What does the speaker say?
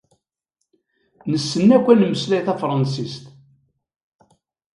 Nessen akk ad nemmeslay tafransist.